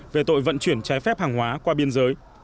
về tội vận chuyển trái phép hàng hóa qua biên giới